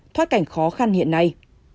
thoát cảnh khó khăn hiện nay